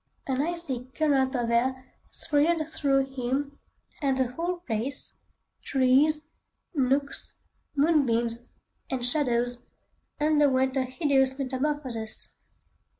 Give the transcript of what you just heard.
An icy current of air thrilled through him, and the whole place—trees, nooks, moonbeams, and shadows, underwent a hideous metamorphosis.